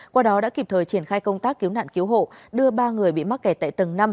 qua đó đã kịp thời triển khai công tác cứu nạn cứu hộ đưa ba người bị mắc kẹt tại tầng năm